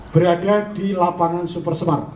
berada di lapangan super smart